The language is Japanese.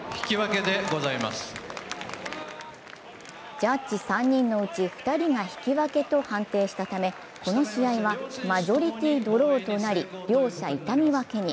ジャッジ３人のうち２人が引き分けと判定したため、この試合は、マジョリティードローとなり、両者痛み分けに。